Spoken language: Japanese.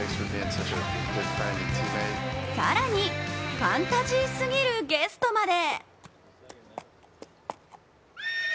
更に、ファンタジーすぎるゲストまで。